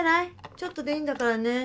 ちょっとでいいんだからね。